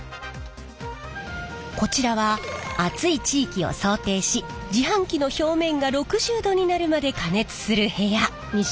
こちらは暑い地域を想定し自販機の表面が６０℃になるまで加熱する部屋。